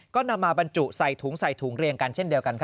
ก็นำมาบรรจุใส่ถุงใส่ถุงเรียงกันเช่นเดียวกัน